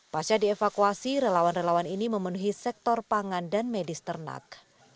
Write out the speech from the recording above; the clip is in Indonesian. pasca dievakuasi relawan relawan ini memenuhi sektor pangan dan medis ternak